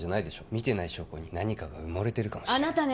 見てない証拠に何かが埋もれてるかもしれないあなたね！